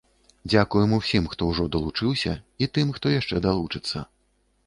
Дзякуем усім, хто ўжо далучыўся, і тым, хто яшчэ далучыцца.